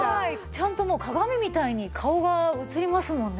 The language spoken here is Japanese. ちゃんともう鏡みたいに顔が映りますもんね。